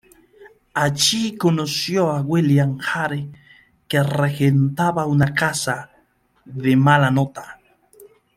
Allí conoció a William Hare, que regentaba una casa de mala nota.